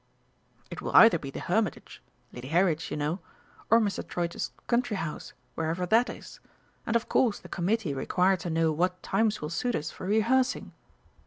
"It will either be The Hermitage Lady Harriet's, you know or Mr. Troitz's country house, wherever that is. And, of course, the Committee require to know what times will suit us for rehearsing."